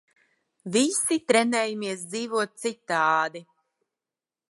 Visi trenējamies dzīvot citādi.